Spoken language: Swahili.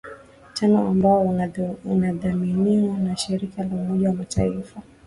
tano ambao unadhaminiwa na shirika la umoja wa mataifa